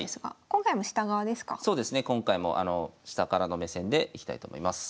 今回も下からの目線でいきたいと思います。